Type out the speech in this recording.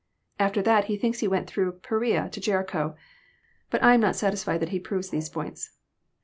After that he thinks He went through Perea, to Jericho. But I am not satisfied that he proves these points.